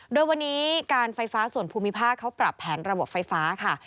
โดยวันนี้การไฟฟ้าส่วนภูมิภาคเขาปรับแผนระบบไฟฟ้าค่ะ